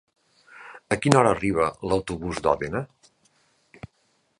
A quina hora arriba l'autobús de Òdena?